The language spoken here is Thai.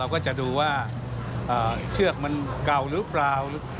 ก็จะดูว่าเชือกมันเก่าหรือเปล่า